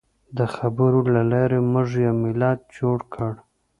د خبرو له لارې موږ یو ملت جوړ کړ.